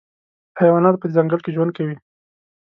حیوانات په ځنګل کي ژوند کوي.